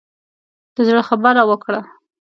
د زړه خبره وکړه.